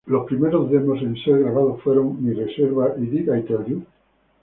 Los primeros demos en ser grabados fueron "Mi Reserva" y "Did I tell you?